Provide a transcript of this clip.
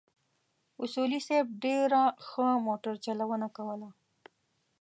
اصولي صیب ډېره ښه موټر چلونه کوله.